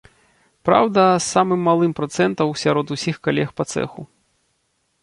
Праўда, з самым малым працэнтаў сярод усіх калег па цэху.